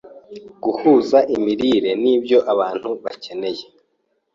Guhuza Imirire n’Ibyo Abantu Bakeneye